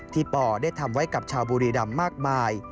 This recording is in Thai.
ปได้ทำไว้กับชาวบุรีรำมากมาย